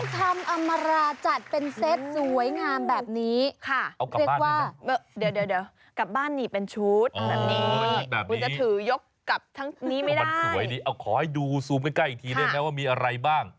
กลับทั้งนี้ไม่ได้มันสวยดิขอให้ดูซูมใกล้อีกทีได้ไหมว่ามีอะไรบ้าง